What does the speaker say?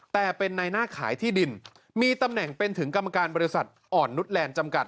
แต่เป็นในหน้าขายที่ดินมีตำแหน่งเป็นถึงกรรมการบริษัทอ่อนนุษย์แลนด์จำกัด